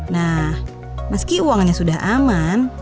nah meski uangannya sudah aman